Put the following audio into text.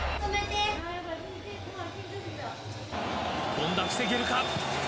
権田、防げるか。